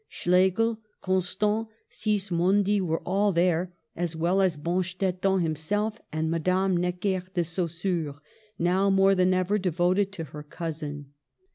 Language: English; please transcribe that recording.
Schlegel, Constant, Sis mondi, were all there, as well as Bonstetten, him self, and Madame Necker de Saussure, now more than ever devoted to her cousin.